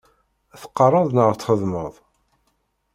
Teqqaṛeḍ neɣ txeddmeḍ?